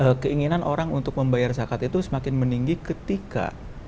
nah keinginan orang untuk membayar zakat itu semakin meninggi ketika